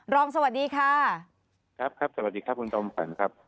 รองสวัสดีค่ะครับสวัสดีครับคุณจอมขวัญครับ